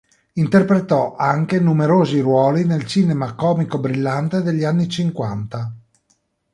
Interpretò anche numerosi ruoli nel cinema comico-brillante degli anni cinquanta.